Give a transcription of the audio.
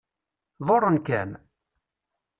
Ḍurren-kem?